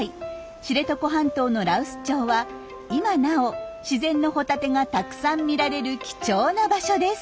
知床半島の羅臼町は今なお自然のホタテがたくさん見られる貴重な場所です。